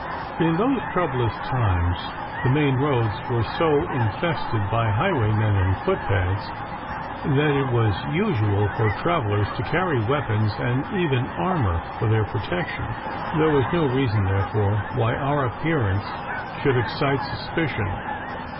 In those troublous times the main roads were so infested by highwaymen and footpads, that it was usual for travellers to carry weapons and even armour for their protection. There was no reason therefore why our appearance should excite suspicion.